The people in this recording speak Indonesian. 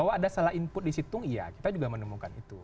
karena salah input di situng iya kita juga menemukan itu